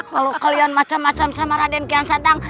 kalau kalian macam macam sama raden kian sadang